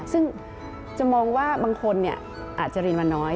ซึ่งจะมองว่าบางคนอาจจะเรียนมาน้อย